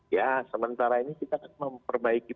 ya sementara ini kita kan memperbaiki